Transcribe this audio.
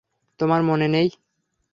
তোমার মনে নেই?